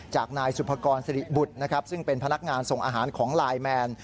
จากนายสุภกรสิริบุตรนะครับซึ่งเป็นพนักงานส่งอาหารของไลน์แมน